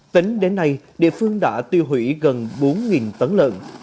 tính đến nay địa phương đã tiêu hủy gần bốn tấn lợn